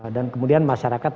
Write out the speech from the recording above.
dan kemudian masyarakat